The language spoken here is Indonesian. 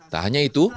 tak hanya itu